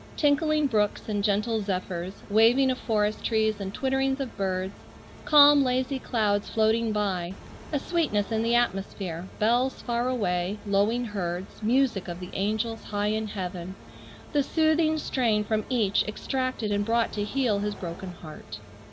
Tinkling brooks and gentle zephyrs, waving of forest trees, and twitterings of birds, calm lazy clouds floating by, a sweetness in the atmosphere, bells far away, lowing herds, music of the angels high in heaven, the soothing strain from each extracted and brought to heal his broken heart.